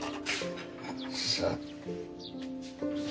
さあ。